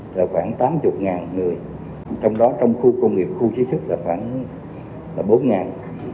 là khoảng tám mươi người trong đó trong khu công nghiệp khu chí sức là khoảng bốn